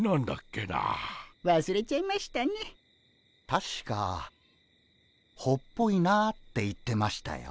たしか「ほっぽいな」って言ってましたよ。